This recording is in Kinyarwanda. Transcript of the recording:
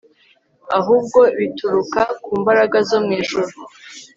ahubwo bituruka ku mbaraga zo mu ijuru